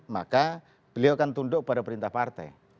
maka beliau akan tunduk pada perintah partai